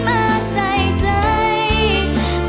ถูกเขาทำร้ายเพราะใจเธอแบกรับมันเอง